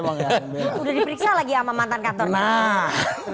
bang ya udah diperiksa loh